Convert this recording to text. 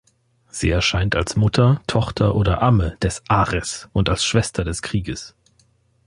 Sie erscheint als Mutter, Tochter oder Amme des Ares und als Schwester des Krieges.